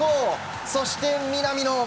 そして南野。